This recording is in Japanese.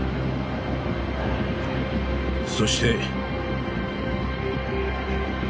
そして。